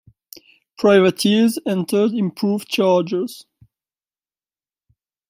Privateers entered improved Chargers.